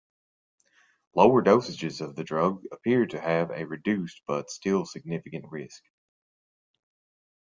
Lower dosages of the drug appear to have a reduced but still significant risk.